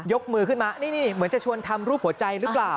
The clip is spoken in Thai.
มือขึ้นมานี่เหมือนจะชวนทำรูปหัวใจหรือเปล่า